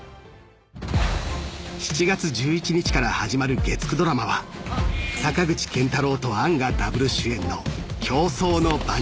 ［７月１１日から始まる月９ドラマは坂口健太郎と杏がダブル主演の『競争の番人』］